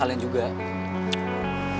tapi sama kalian juga